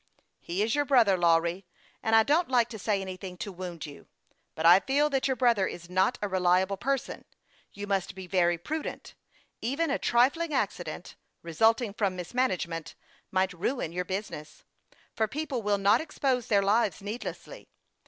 " He is your brother, Lawry, and I don't like to say anything to wound you ; but I feel that your brother is not a reliable person. You must be very prudent. Even a trifling accident, resulting from mismanagement, might ruin your business ; for people will not expose their lives needlessly.